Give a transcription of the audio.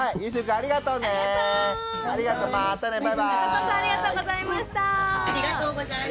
ありがとうございます。